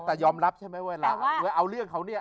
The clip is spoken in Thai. แต่ยอมรับใช่ไหมเวลาเอาเรื่องเขาเนี่ย